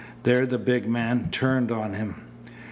There the big man turned on him.